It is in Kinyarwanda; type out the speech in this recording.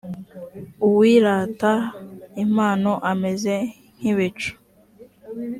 uwirata impano ameze nk ibicu